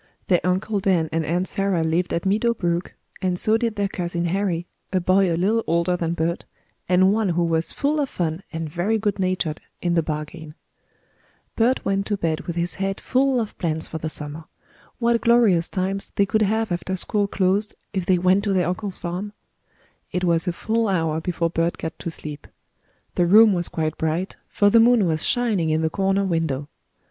Their Uncle Dan and Aunt Sarah lived at Meadow Brook, and so did their cousin Harry, a boy a little older than Bert, and one who was full of fun and very good natured in the bargain. Bert went to bed with his head full of plans for the summer. What glorious times they could have after school closed if they went to their uncle's farm! It was a full hour before Bert got to sleep. The room was quite bright, for the moon was shining in the corner window.